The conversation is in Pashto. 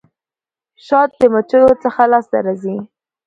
شات د مچيو څخه لاسته راځي.